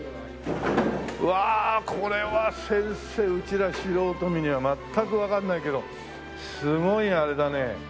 うわこれは先生うちら素人目には全くわかんないけどすごいあれだね。